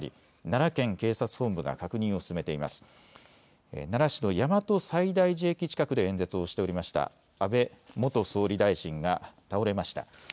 奈良市の大和西大寺駅近くで演説をしておりました安倍元総理大臣が倒れました。